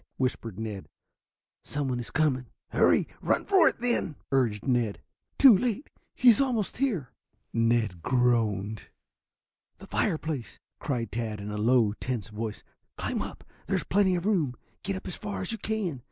whispered Ned. "Someone is coming." "Hurry! Run for it, then!" urged Ned. "Too late. He is almost here." Ned groaned. "The fireplace," cried Tad in a low, tense voice. "Climb up! There's plenty of room. Get up as far as you can.